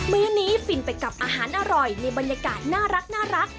มื้อนี้ฟินไปกับอาหารอร่อยในบรรยากาศน่ารัก